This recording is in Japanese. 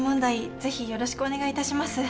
ぜひよろしくお願いいたします